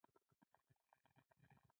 ډېره خواري په کې نه وه.